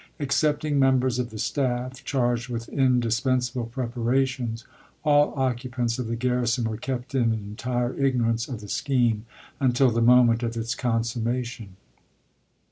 Excepting members of the staff, charged with indispensable preparations, all occupants of the garrison were kept in entire ignorance of the scheme until the moment of its consummation.